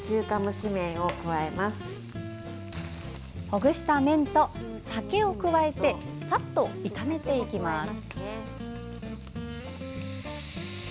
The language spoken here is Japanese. ほぐした麺と酒を加えてさっと炒めていきます。